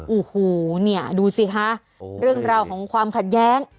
โอ้โหเนี่ยดูสิคะเรื่องราวของความขัดแย้ง